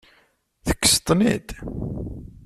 Tekkseḍ-ten-id?